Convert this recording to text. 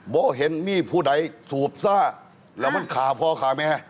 บอกว่าเห็นมีผู้ใดสูบซ่าแล้วมันขาพ่อขาแม่